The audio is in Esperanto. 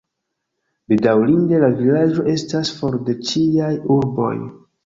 Bedaŭrinde, la vilaĝo estas for de ĉiaj urboj.